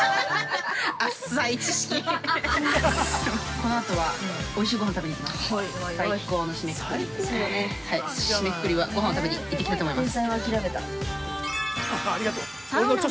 ◆このあとは、おいしいごはんを食べに行きます。